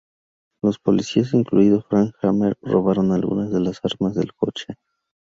Los policías, incluido Frank Hamer, robaron algunas de las armas del coche.